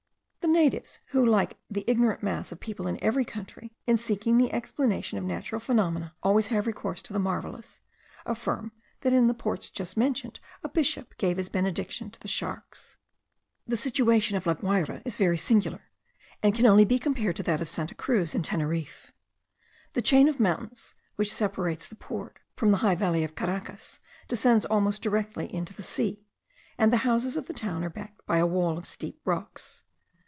The natives, who like the ignorant mass of people in every country, in seeking the explanation of natural phenomena, always have recourse to the marvellous, affirm that in the ports just mentioned, a bishop gave his benediction to the sharks. The situation of La Guayra is very singular, and can only be compared to that of Santa Cruz in Teneriffe. The chain of mountains which separates the port from the high valley of Caracas, descends almost directly into the sea; and the houses of the town are backed by a wall of steep rocks.